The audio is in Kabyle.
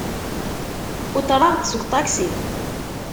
Uṭreɣ-d seg uṭaksi.